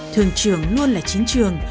thường trường luôn là chiến trường